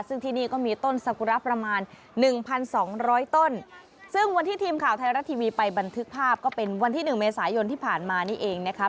ซึ่งที่นี่ก็มีต้นสกุระประมาณหนึ่งพันสองร้อยต้นซึ่งวันที่ทีมข่าวไทยรัฐทีวีไปบันทึกภาพก็เป็นวันที่หนึ่งเมษายนที่ผ่านมานี่เองนะคะ